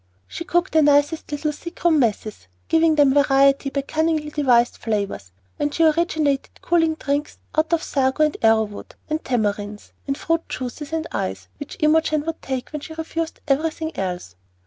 She cooked the nicest little sick room messes, giving them variety by cunningly devised flavors, and she originated cooling drinks out of sago and arrowroot and tamarinds and fruit juices and ice, which Imogen would take when she refused everything else.